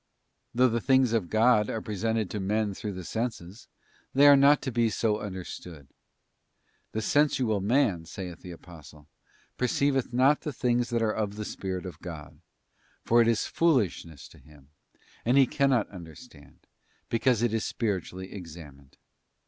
Though the things of God are pre sented to men through the senses, they are not to be so understood. 'The sensual man,' saith the Apostle, 'per ceiveth not the things that are of the Spirit of God; for it is foolishness to him, and he cannot understand; because it is spiritually examined.